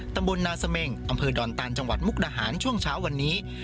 ตำบลนาเสมงอำเภอดอนตานจังหวัดมุกดาหารช่วงเช้าวันนี้